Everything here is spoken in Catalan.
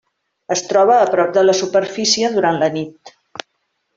Es troba a prop de la superfície durant la nit.